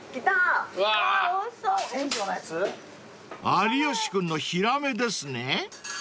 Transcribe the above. ［有吉君のヒラメですね］